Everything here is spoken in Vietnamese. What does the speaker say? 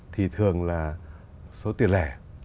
thì thường là số tiền lẻ